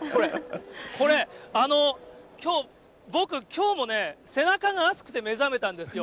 これ、きょう僕、きょうもね、背中が暑くて目覚めたんですよ。